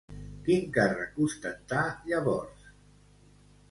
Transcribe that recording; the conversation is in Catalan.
Quin càrrec ostentà, llavors?